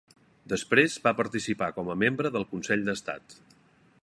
Després va participar com a membre del Consell d'Estat.